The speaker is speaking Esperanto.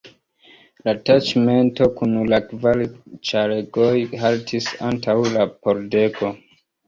La taĉmento kun la kvar ĉaregoj haltis antaŭ la pordego.